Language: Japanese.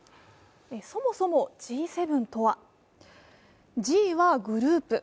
そもそもＧ７とは、Ｇはグループ。